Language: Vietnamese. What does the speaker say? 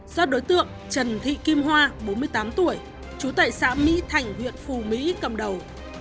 do đối tượng trần thị kim hoa bốn mươi tám tuổi trú tại xã mỹ thành huyện phù mỹ cầm đầu